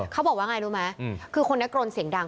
เขาบอกว่าไงรู้ไหมคือคนนี้กรนเสียงดัง